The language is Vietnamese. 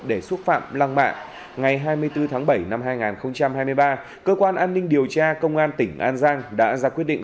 để xúc phạm lăng mạng ngày hai mươi bốn tháng bảy năm hai nghìn hai mươi ba cơ quan an ninh điều tra công an tỉnh an giang đã ra quyết định